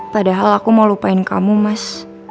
padahal aku mau lupain kamu mas